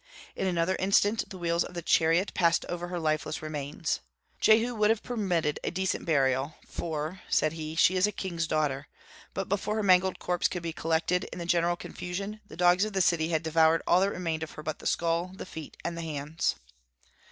In another instant the wheels of the chariot passed over her lifeless remains. Jehu would have permitted a decent burial, "for," said he, "she is a king's daughter;" but before her mangled corpse could be collected, in the general confusion, the dogs of the city had devoured all that remained of her but the skull, the feet, and hands.